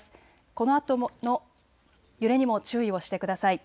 このあとの揺れにも注意をしてください。